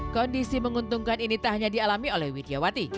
kondisi menguntungkan ini tak hanya dialami oleh widya wati